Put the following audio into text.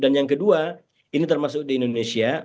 dan yang kedua ini termasuk di indonesia